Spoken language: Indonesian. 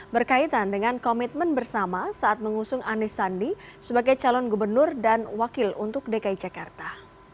berkaitan dengan komitmen bersama saat mengusung anies sandi sebagai calon gubernur dan wakil untuk dki jakarta